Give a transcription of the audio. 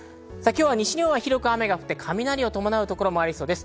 今日は西日本は広く雨が降って雷を伴うところもありそうです。